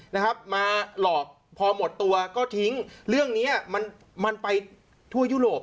นะครับมาหลอกพอหมดตัวก็ทิ้งเรื่องเนี้ยมันมันไปทั่วยุโรป